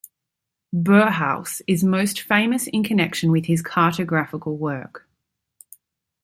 Berghaus is most famous in connection with his cartographical work.